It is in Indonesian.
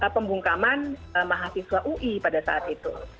pembungkaman mahasiswa ui pada saat itu